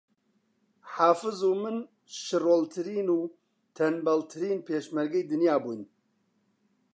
حافز و من شڕۆڵترین و تەنبەڵترین پێشمەرگەی دنیا بووین